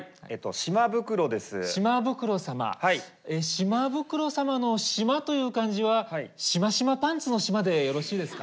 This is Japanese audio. シマブクロ様の「シマ」という漢字はしましまパンツの「しま」でよろしいですか？